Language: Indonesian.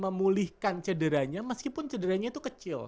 memulihkan cederanya meskipun cederanya itu kecil